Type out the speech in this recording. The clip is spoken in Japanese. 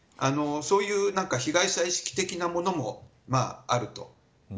そういう被害者意識的なものもあると。